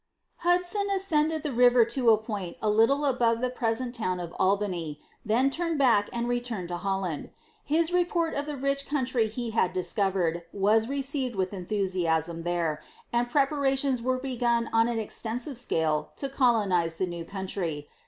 Hudson ascended the river to a point a little above the present town of Albany, then turned back and returned to Holland. His report of the rich country he had discovered was received with enthusiasm there, and preparations were begun on an extensive scale to colonize the new country.